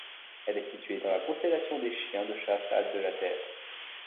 Elle est située dans la constellation des Chiens de chasse à de la Terre.